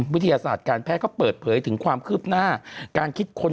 วิทยาศาสตร์การแพทย์ก็เปิดเผยถึงความคืบหน้าการคิดค้น